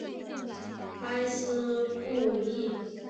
埃斯库利。